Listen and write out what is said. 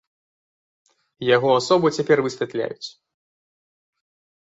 Яго асобу цяпер высвятляюць.